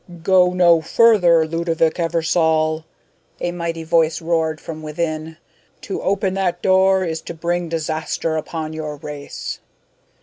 "Go no further, Ludovick Eversole!" a mighty voice roared from within. "To open that door is to bring disaster upon your race."